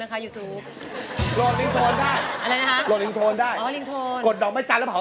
ก็บนโหลดได้เลยนะคะ